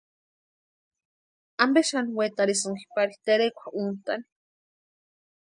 ¿Ampe xani wetarhisïnki pari terekwa úntani?